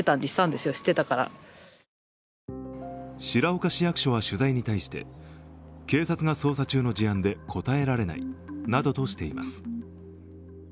白岡市役所は取材に対して、警察が捜査中の事案で答えられないなどとしています。